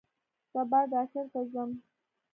سبا ډاکټر ته ځم